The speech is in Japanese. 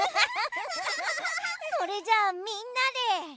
それじゃあみんなで。